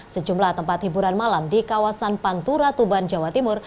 sejumlah tempat hiburan malam di kawasan pantura tuban jawa timur